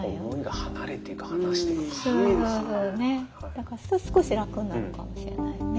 だから少しラクになるかもしれないね。